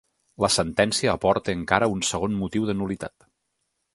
La sentència aporta encara un segon motiu de nul·litat.